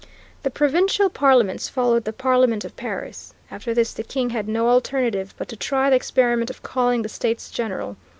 The Provincial Parliaments followed the Parliament of Paris. After this the King had no alternative but to try the experiment of calling the States General.